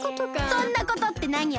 そんなことってなによ！